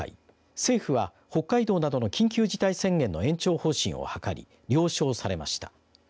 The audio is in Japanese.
政府は北海道などの緊急事態宣言の延長方針を諮り了承されました。